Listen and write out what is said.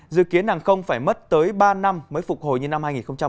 dự kiến hàng không phải mất tới ba năm mới phục hồi như năm hai nghìn một mươi chín